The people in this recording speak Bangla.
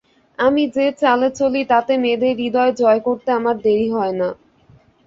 আমি যে চালে চলি তাতে মেয়েদের হৃদয় জয় করতে আমার দেরি হয় না।